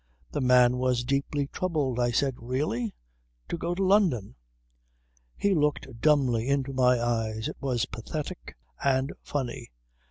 The man was deeply troubled. I said: "Really! To go to London!" He looked dumbly into my eyes. It was pathetic and funny.